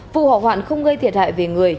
vụ hỏa hoạn không gây thiệt hại về người